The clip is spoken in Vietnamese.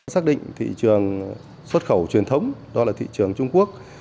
xác định thị trường xuất khẩu truyền thống đó là thị trường trung quốc